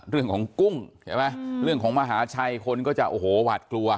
เรื่องของกุ้งใช่ไหมเรื่องของมหาชัยคนก็จะโอ้โหหวาดกลัว